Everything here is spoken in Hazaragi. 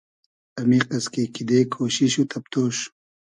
امیقئس کی کیدې کوشیش و تئبتۉش